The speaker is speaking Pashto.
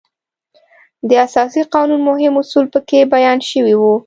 د اساسي قانون مهم اصول په کې بیان شوي وو.